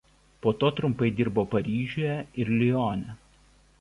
Po to trumpai dirbo Paryžiuje ir Lione.